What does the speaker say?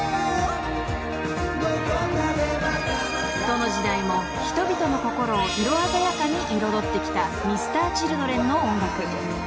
［どの時代も人々の心を色鮮やかに彩ってきたＭｒ．Ｃｈｉｌｄｒｅｎの音楽］